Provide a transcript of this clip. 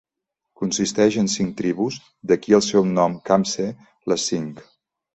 Consisteix en cinc tribus, d'aquí el seu nom "khamseh", "les cinc".